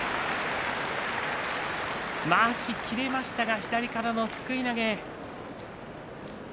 まわしが切れましたが霧馬山、左からのすくい投げ。